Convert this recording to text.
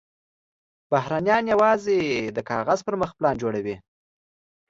بهرنیان یوازې د کاغذ پر مخ پلان جوړوي.